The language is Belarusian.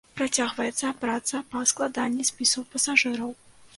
Працягваецца праца па складанні спісаў пасажыраў.